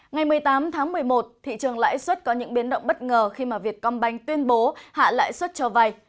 ngày một mươi tám tháng một mươi một thị trường lãi xuất có những biến động bất ngờ khi mà việt công banh tuyên bố hạ lãi suất cho vay